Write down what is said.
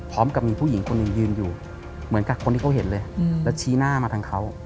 ต้องเรียกว่า